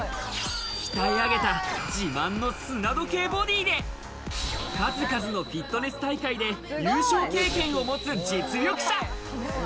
鍛え上げた自慢の砂時計ボディで数々のフィットネス大会で優勝経験を持つ実力者。